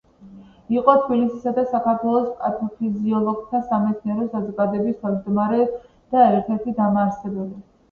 იყო თბილისისა და საქართველოს პათოფიზიოლოგთა სამეცნიერო საზოგადოების თავმჯდომარე და ერთ–ერთი დამაარსებელი.